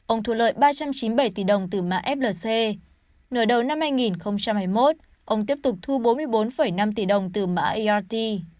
ông thu lợi ba trăm chín mươi bảy tỷ đồng từ mã flc nửa đầu năm hai nghìn hai mươi một ông tiếp tục thu bốn mươi bốn năm tỷ đồng từ mã iot